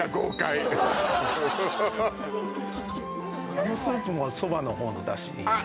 このスープもそばの方のだしで。